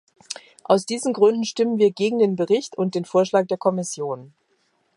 Aus diesen Gründen stimmen wir gegen den Bericht und den Vorschlag der Kommission.